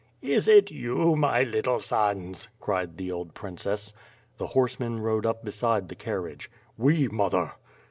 "Is it vou, my little sons?'* cried the old princess, The horsemen rode up beside the carriage. "We, mother!"